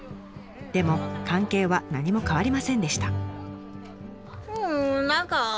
でも関係は何も変わりませんでした。